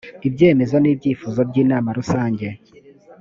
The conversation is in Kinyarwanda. ibyemezo n ibyifuzo by inama rusange